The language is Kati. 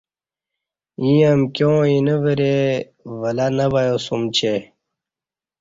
ییں امکیاں ایںہ ورے ولہ نہ بیاسُوم چہ